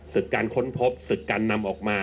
ศึกการค้นพบศึกการนำออกมา